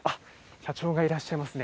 社長がいらっしゃいますね。